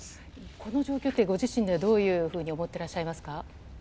この状況ってご自身ではどういうふうに思ってらっしゃいます